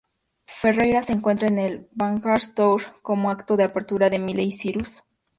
Ferreira se encuentra en el Bangerz Tour como acto de apertura de Miley Cyrus.